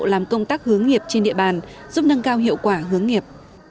làm công tác hướng nghiệp trên địa bàn giúp nâng cao hiệu quả hướng nghiệp